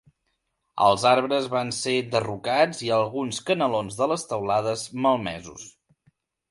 Els arbres van ser derrocats i alguns canalons de les teulades, malmesos.